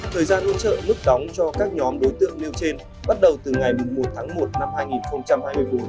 thời gian hỗ trợ mức đóng cho các nhóm đối tượng nêu trên bắt đầu từ ngày một tháng một năm hai nghìn hai mươi bốn